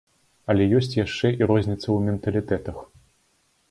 Але ёсць яшчэ і розніца ў менталітэтах.